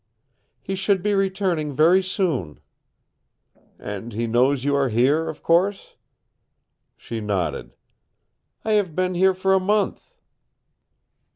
"He should be returning very soon." "And he knows you are here, of course?" She nodded. "I have been here for a month."